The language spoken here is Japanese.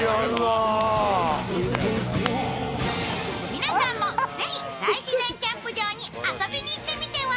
皆さんもぜひ大自然キャンプ場に遊びに行ってみては？